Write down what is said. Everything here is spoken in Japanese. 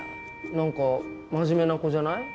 なんか真面目な子じゃない？